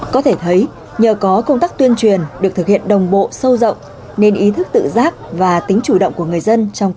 có thể thấy nhờ có công tác tuyên truyền được thực hiện đồng bộ sâu rộng nên ý thức tự giác và tính chủ động của người dân trong công tác